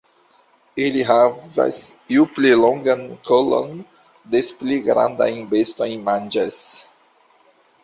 Ili havas ju pli longan kolon des pli grandajn bestojn manĝas.